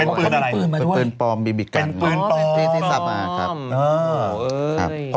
เป็นปืนอะไรเป็นปืนปลอมบีบิกันเป็นปืนปลอมที่ที่ทรัพย์มาครับโอ้โหเอย